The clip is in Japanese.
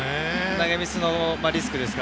投げミスのリスクですか。